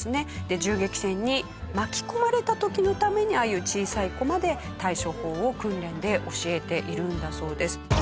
銃撃戦に巻き込まれた時のためにああいう小さい子まで対処法を訓練で教えているんだそうです。